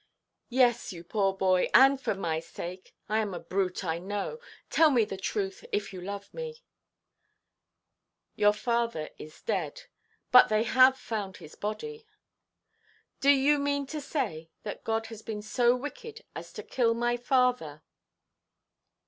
"Yes, you poor boy, and for my sake. I am a brute, I know. Tell me the truth, if you love me." "Your dear father is dead. But they have found his body." "Do you mean to say that God has been so wicked as to kill my father?"